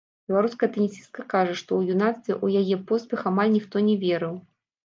Беларуская тэнісістка кажа, што ў юнацтве ў яе поспех амаль ніхто не верыў.